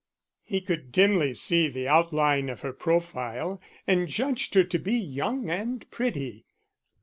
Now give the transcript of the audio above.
He could dimly see the outline of her profile, and judged her to be young and pretty.